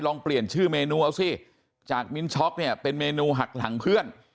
ลองเปลี่ยนชื่อเมนูเอาสิจากมิ้นช็อกเนี่ยเป็นเมนูหักหลังเพื่อน